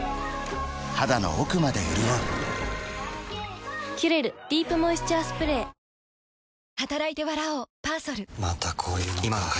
肌の奥まで潤う「キュレルディープモイスチャースプレー」「ビオレＵＶ」